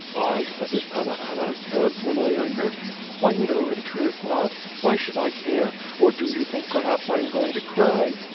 "T, as if Panna Anna cared for my anger!" "Why no, in truth, not. Why should I care! Or do you think perhaps I am going to cry?